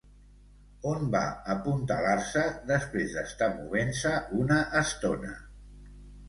On va apuntalar-se després d'estar movent-se una estona?